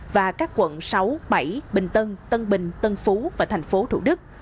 và các quận sáu bảy bình tân tân bình tân phú và thành phố thủ đức